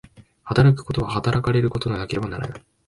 働くことは働かれることでなければならない。